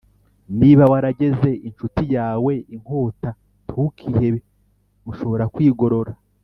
Niba warageze incuti yawe inkota, ntukihebe, mushobora kwigorora.